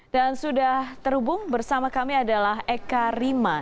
dan sudah terhubung bersama kami adalah eka rima